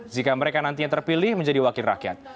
jika mereka nantinya terpilih menjadi wakil rakyat